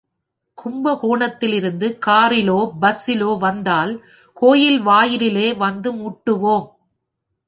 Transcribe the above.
கும்பகோணத்திலிருந்து காரிலோ பஸ்ஸிலோ வந்தால் கோயில் வாயிலிலே வந்து முட்டுவோம்.